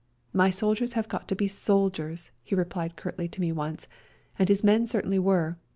" My soldiers have got to be soldiers,^ ^ he replied curtly to me once, and his men certainly were.